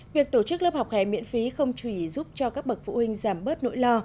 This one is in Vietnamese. việc tổ chức lớp học hè miễn phí không chỉ giúp cho các bậc phụ huynh giảm bớt nỗi lo